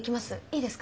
いいですか？